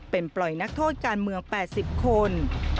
เป็นปล่อยนักโทษการเมือง๘๐คน